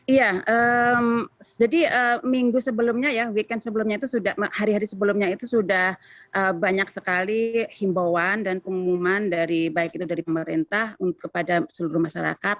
iya jadi minggu sebelumnya ya weekend sebelumnya itu sudah hari hari sebelumnya itu sudah banyak sekali himbauan dan pengumuman dari baik itu dari pemerintah kepada seluruh masyarakat